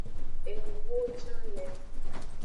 Enubuwo can le.